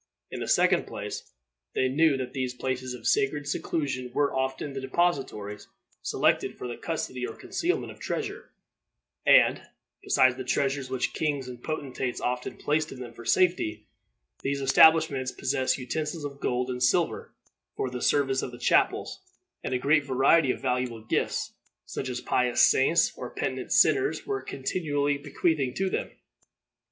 In the second place, they knew that these places of sacred seclusion were often the depositories selected for the custody or concealment of treasure; and, besides the treasures which kings and potentates often placed in them for safety, these establishments possessed utensils of gold and silver for the service of the chapels, and a great variety of valuable gifts, such as pious saints or penitent sinners were continually bequeathing to them.